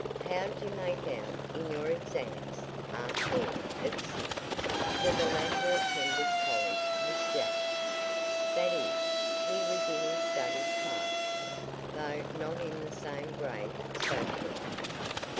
"How'd you make out in your exams?" asked Ed of Sid, for the latter attended college with Jack. That is, he was in his study class, though not in the same grade socially.